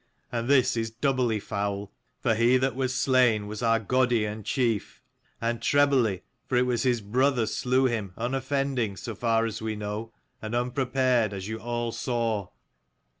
And this is doubly foul, for he that was slain was our Godi and chief: and trebly, for it was his brother slew him unoffending, so far as we know, and unprepared as you all saw.